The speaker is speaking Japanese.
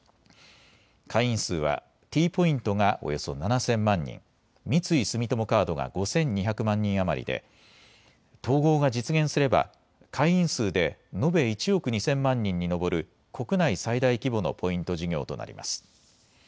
会員数はＴポイントがおよそ７０００万人、三井住友カードが５２００万人余りで統合が実現すれば会員数で延べ１億２０００万人に上る国内最大規模のポイント事業となります。